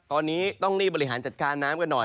ตอนนี้ต้องรีบบริหารจัดการน้ำกันหน่อย